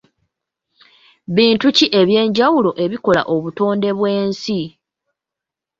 Bintu ki ebyenjawulo ebikola obutonde bw'ensi?